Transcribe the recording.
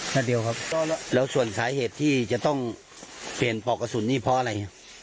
นัดเดียวครับแล้วส่วนสาเหตุที่จะต้องเปลี่ยนปอกกระสุนนี่เพราะอะไร